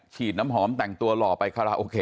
ฉีดน้ำหอมแต่งตัวหล่อไปคาราโอเกะ